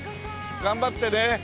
頑張ってね！